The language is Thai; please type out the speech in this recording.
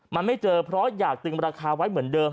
มันไม่เจอเพราะอยากตึงราคาไว้เหมือนเดิม